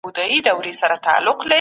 موږ هر کمنټ لولو.